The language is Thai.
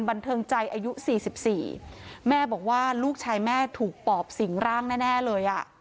บันเทิงใจอายุ๔๔แม่บอกว่าลูกชายแม่ถูกปอบสิ่งร่างแน่เลย